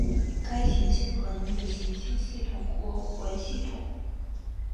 该行星可能有卫星系统或环系统。